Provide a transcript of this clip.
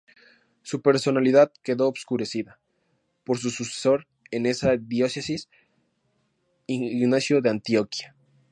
Su personalidad quedó oscurecida por su sucesor en esa diócesis, Ignacio de Antioquía.